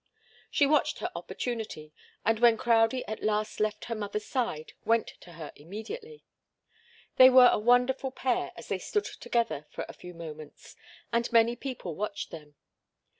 She watched her opportunity, and when Crowdie at last left her mother's side, went to her immediately. They were a wonderful pair as they stood together for a few moments, and many people watched them. Mrs.